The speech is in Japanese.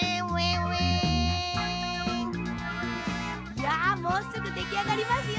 いやもうすぐできあがりますよ